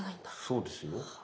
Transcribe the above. そうですよ。